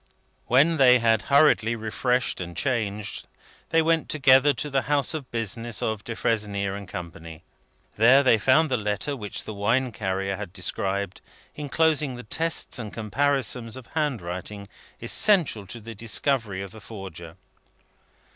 When they had hurriedly refreshed and changed, they went together to the house of business of Defresnier and Company. There they found the letter which the wine carrier had described, enclosing the tests and comparisons of handwriting essential to the discovery of the Forger.